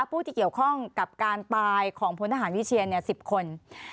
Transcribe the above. ผู้ที่เกี่ยวข้องกับการตายของพลทหารวิเชียน๑๐คน